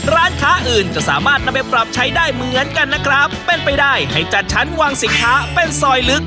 ร้านค้าอื่นก็สามารถนำไปปรับใช้ได้เหมือนกันนะครับเป็นไปได้ให้จัดชั้นวางสินค้าเป็นซอยลึก